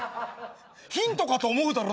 ヒントかと思うだろ！